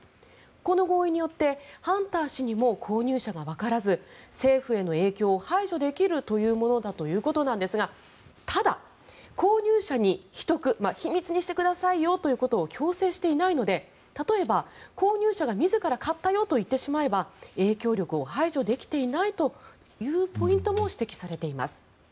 この合意によってハンター氏にも購入者がわからず政府への影響を排除できるというものだということですがただ、購入者に秘匿秘密にしてくださいよということを強制していないので例えば購入者が自ら買ったよと言ってしまえば影響力を排除できていないというポイントも指摘されています。